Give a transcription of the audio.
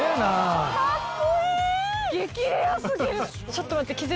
ちょっと待って。